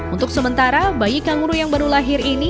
untuk sementara bayi kangguru yang baru lahir ini